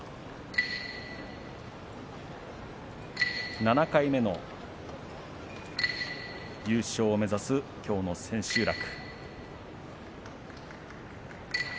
柝きの音７回目の優勝を目指すきょうの千秋楽。